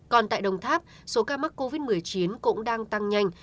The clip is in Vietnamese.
còn tại đồng tháp số ca mắc covid một mươi chín cũng đang tăng nhanh